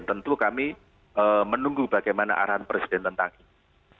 tentu kami menunggu bagaimana arahan presiden tentang ini